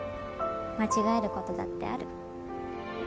間違えることだってある。